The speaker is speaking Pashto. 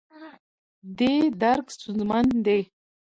دې درک ستونزمن دی.